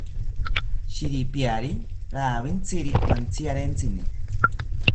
Shiripiari rawintziri mantziarentsini